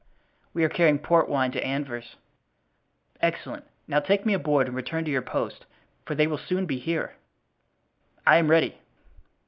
"We are carrying port wine to Anvers." "Excellent. Now take me aboard and return to your post, for they will soon be here." "I am ready."